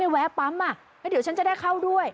แวะปั๊มอ่ะแล้วเดี๋ยวฉันจะได้เข้าด้วย